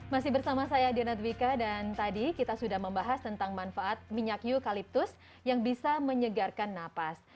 masih bersama saya diana dwiqa dan tadi kita sudah membahas tentang manfaat minyak eukaliptus yang bisa menyegarkan napas